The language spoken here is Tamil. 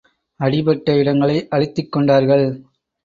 அடிபட்ட இடங்களை அழுத்திக் கொண்டார்கள்.